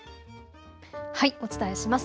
お伝えします。